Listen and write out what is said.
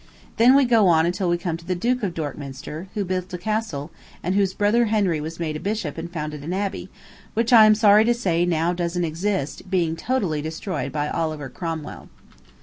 Then we go on until we come to the Duke of Dorkminster, who built a castle, and whose brother Henry was made bishop and founded an abbey, which I am sorry to say doesn't now exist, being totally destroyed by Oliver Cromwell."